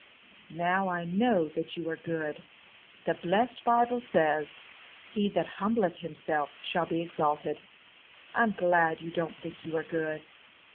"Now I know that you are good. The blessed Bible says, 'He that humbleth himself shall be exalted.' I'm glad you don't think you are good."